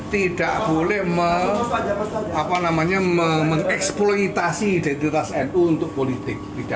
tidak boleh mengeksploitasi identitas nu untuk politik